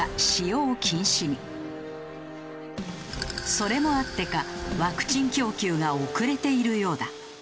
それもあってかワクチン供給が遅れているようだ。